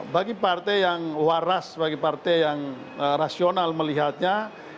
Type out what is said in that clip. bagi partai yang waras bagi partai yang rasional melihatnya